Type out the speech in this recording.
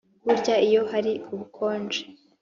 burya iyo hari ubukonje